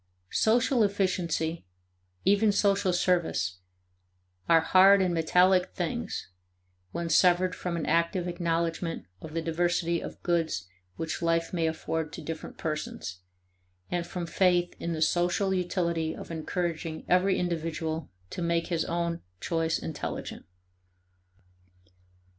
Social efficiency, even social service, are hard and metallic things when severed from an active acknowledgment of the diversity of goods which life may afford to different persons, and from faith in the social utility of encouraging every individual to make his own choice intelligent.